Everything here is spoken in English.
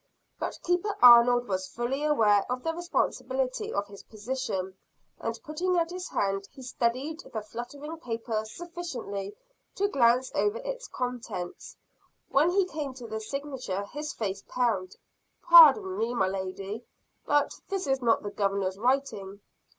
But Keeper Arnold was fully aware of the responsibility of his position; and putting out his hand, he steadied the fluttering paper sufficiently to glance over its contents. When he came to the signature, his face paled. "Pardon me, my lady; but this is not the Governor's writing."